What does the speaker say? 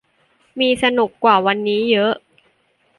มีสนุกกว่าวันนี้เยอะ